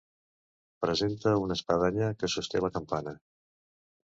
Presenta una espadanya que sosté la campana.